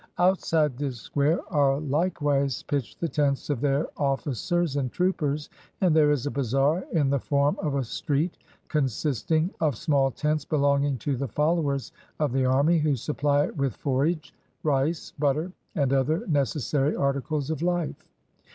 Outside this square are likewise pitched the tents of their officers and troopers, and there is a bazaar in the form of a street, consisting of small tents belonging to the followers of the army, who supply it with forage, rice, butter, and other necessary articles of life.